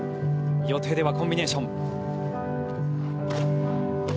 予定ではコンビネーション。